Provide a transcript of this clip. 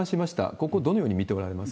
ここ、どのように見ておられます